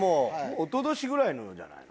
おととしぐらいのじゃないの？